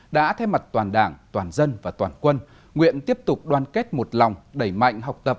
đã thay mặt toàn đảng toàn dân và toàn quân nguyện tiếp tục đoàn kết một lòng đẩy mạnh học tập